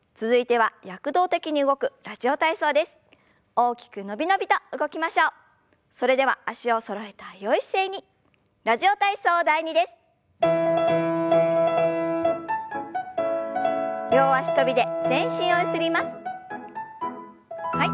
はい。